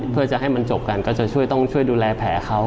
เพื่อจะให้มันจบกันก็จะช่วยต้องช่วยดูแลแผลเขา